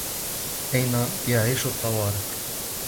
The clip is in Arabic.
أين يعيش الطوارق؟